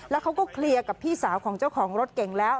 แล้วเขาก็เคลียร์กับพี่สาวของเจ้าของรถเก่งแล้ว